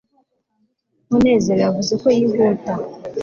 munezero yavuze ko yihuta